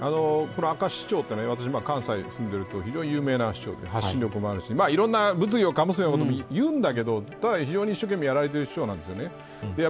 泉市長は私は関西に住んでいると非常に有名な市長で発信力もあるしいろんな物議を醸すようなこと言ってるんだけど非常に一生懸命やられている人なんです。